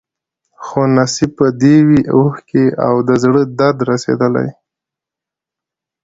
خو نصیب به دي وي اوښکي او د زړه درد رسېدلی